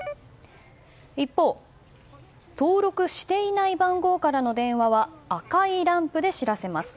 一方、登録していない番号からの電話は赤いランプで知らせます。